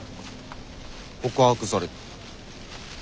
告白された。